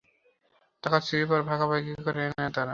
টাকা চুরির পর ভাগাভাগি করে নেন তাঁরা।